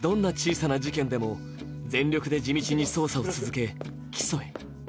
検察はたとえどんな小さな事件でも、全力で地道に捜査を続け、起訴へ。